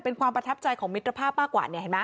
เป็นความประทับใจของมิตรภาพมากกว่า